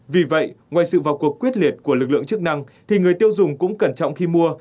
vì vậy ngoài sự vào cuộc quyết liệt của lực lượng chức năng thì người tiêu dùng cũng cẩn trọng khi mua